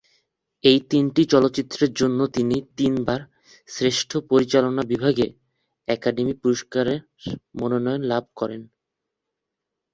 এই তিনটি চলচ্চিত্রের জন্য তিনি তিনবার শ্রেষ্ঠ পরিচালনা বিভাগে একাডেমি পুরস্কারের মনোনয়ন লাভ করেন।